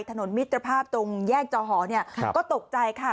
ถนนมิตรภาพตรงแยกเจ้าหรอก็ตกใจค่ะ